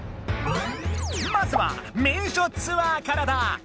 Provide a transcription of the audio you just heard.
まずは名所ツアーからだ！